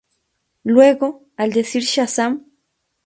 Luego, al decir "¡Shazam!